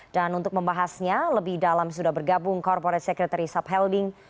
dan untuk membahasnya lebih dalam sudah bergabung corporate secretary sub helding